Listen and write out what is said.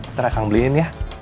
ntar akang beliin ya